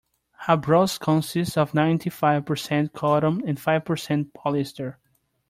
Her blouse consists of ninety-five percent cotton and five percent polyester.